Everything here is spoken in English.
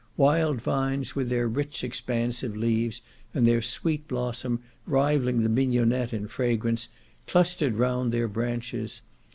Wild vines, with their rich expansive leaves, and their sweet blossom, rivalling the mignionette in fragrance, clustered round their branches.